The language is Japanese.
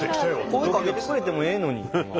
声かけてくれてもええのに。